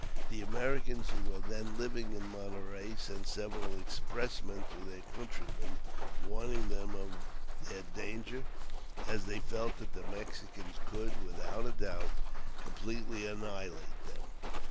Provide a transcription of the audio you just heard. The Americans who were then living at Monterey sent several expressmen to their countrymen, warning them of their danger, as they felt that the Mexicans could, without a doubt, completely annihilate them.